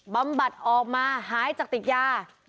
บำบัดออกมาหายจากติดยา